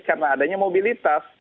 karena adanya mobilitas